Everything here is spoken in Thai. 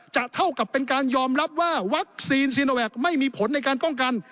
เท่ากับเป็นการยอมรับว่าวัคซีนซีโนแวคไม่มีผลในการป้องกัน